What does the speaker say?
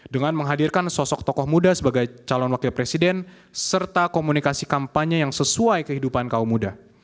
dengan menghadirkan sosok tokoh muda sebagai calon wakil presiden serta komunikasi kampanye yang sesuai kehidupan kaum muda